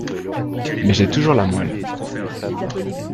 mais j’ai toujours la moelle.